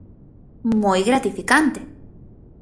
Moi gratificante.